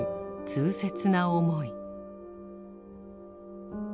痛切な思い。